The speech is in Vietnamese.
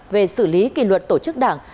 về xử lý kỳ luật tổ chức đảng